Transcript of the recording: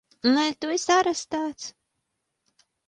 Nē! Tu esi arestēts!